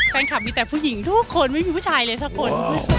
แฟนคลับมีแต่ผู้หญิงทุกคนไม่มีผู้ชายเลยสักคน